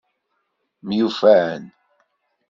Myufan.